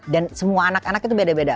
dan semua anak anak itu beda beda